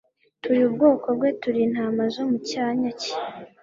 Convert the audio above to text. turi ubwoko bwe, turi intama zo mu cyanya cye,